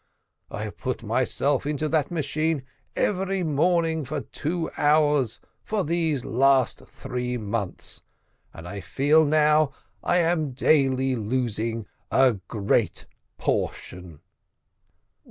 I have put myself into that machine every morning for two hours, for these last three months, and I feel now that I am daily losing a great portion."